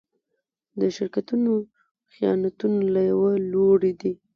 د شرکتونو خیانتونه له يوه لوري دي.